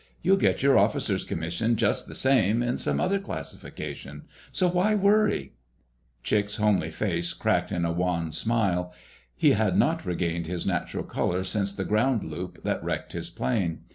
You'll get your officer's commission just the same, in some other classification. So why worry?" Chick's homely face cracked in a wan smile. He had not regained his natural color since the ground loop that wrecked his plane.